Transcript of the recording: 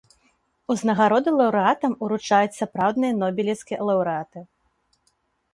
Узнагароду лаўрэатам уручаюць сапраўдныя нобелеўскія лаўрэаты.